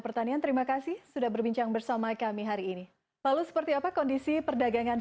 pertanian terima kasih sudah berbincang bersama kami hari ini lalu seperti apa kondisi perdagangan